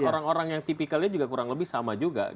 orang orang yang tipikalnya juga kurang lebih sama juga